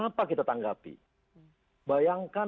bagaimana ini tanggapan dari jurubicara menteri bumn